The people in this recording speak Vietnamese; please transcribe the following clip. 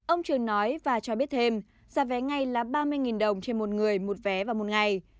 ông trường nói và cho biết thêm giá vé ngay là ba mươi đồng trên một người một vé vào một ngày